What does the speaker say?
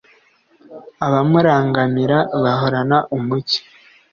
abamurangamira bahorana umucyo